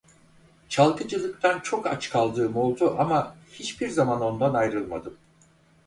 Çalgıcılıktan çok aç kaldığım oldu ama hiçbir zaman ondan ayrılmadım.